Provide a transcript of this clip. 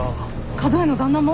角屋の旦那も？